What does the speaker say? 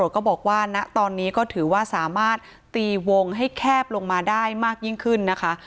ก็บอกว่าณตอนนี้ก็ถือว่าสามารถตีวงให้แคบลงมาได้มากยิ่งขึ้นนะคะ